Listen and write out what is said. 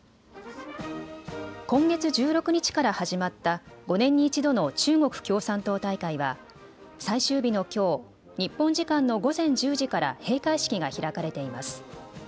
今月１６日から始まった５年に１度の中国共産党大会は最終日のきょう、日本時間の午前１０時から閉会式が開かれています。